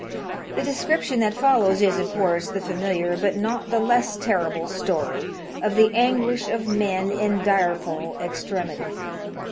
" The description that follows is, of course, the familiar, but not the less terrible, story of the anguish of men in direful extremity.